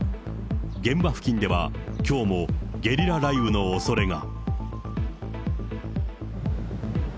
現場付近では、きょうもゲリラ雷雨のおそれが。